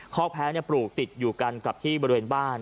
ข้อแพ้ปลูกติดอยู่กันกับที่บริเวณบ้าน